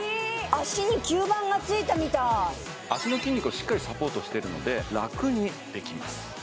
足に吸盤がついたみたい脚の筋肉をしっかりサポートしているのでラクにできます